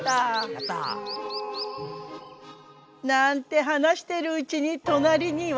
やった。なんて話してるうちに隣には。